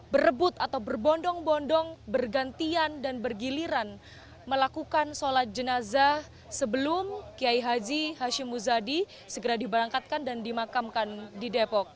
berebut atau berbondong bondong bergantian dan bergiliran melakukan sholat jenazah sebelum kiai haji hashim muzadi segera diberangkatkan dan dimakamkan di depok